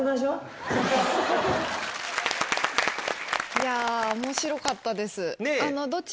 いや面白かったです。